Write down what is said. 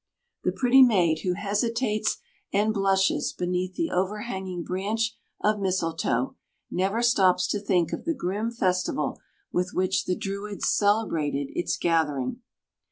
The pretty maid who hesitates and blushes beneath the overhanging branch of mistletoe, never stops to think of the grim festival with which the Druids celebrated its gathering.